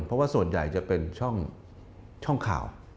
เพราะว่าส่วนใหญ่จะเป็นช่องข่าว